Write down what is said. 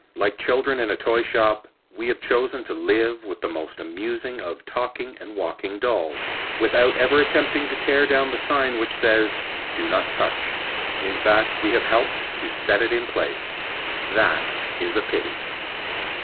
Like children in a toy shop, we have chosen to live with the most amusing of talking and walking dolls, without ever attempting to tear down the sign which says, "Do not touch." In fact we have helped to set it in place. That is a pity.